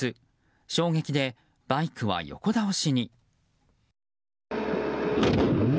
衝撃でバイクは横倒しに。